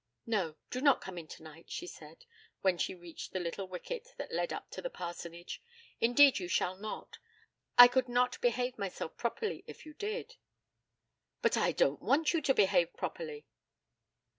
'No, do not come in tonight,' she said, when she reached the little wicket that led up the parsonage. 'Indeed you shall not. I could not behave myself properly if you did.' 'But I don't want you to behave properly.'